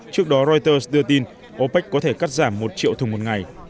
trước đó reuters đưa tin opec có thể cắt giảm một triệu thùng một ngày